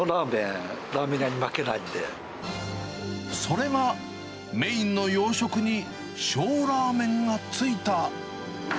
それが、メインの洋食に小ラーメンが付いた。